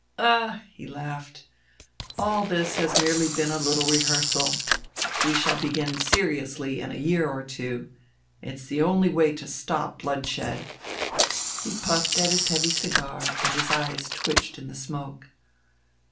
"Ah," he laughed, "all this has merely been a Uttle rehearsal. We shall begin seriously in a year or two. It's the only way to stop bloodshed." He puffed at his heavy cigar and his eyes twitched in the smoke.